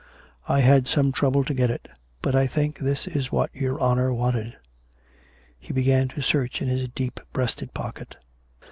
" I had some trouble to get it. But I think this is what your honour wanted." He began to search in his deep breast pocket.